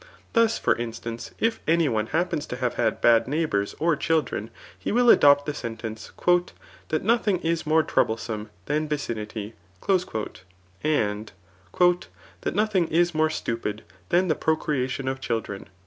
Thus for instance^ if any one hap* pens to have had bad neighbours or childrm, he will adopt the sentence, *^ That nothing is more trouble some than vicinity," and ^ That nothing b more stupd than the procreadon of children.